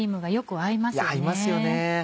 合いますよね。